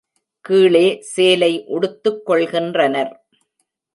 கீழே சேலை உடுத்துக் கொள்கின்றனர்.